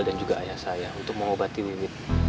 dan juga ayah saya untuk mengobati wiwi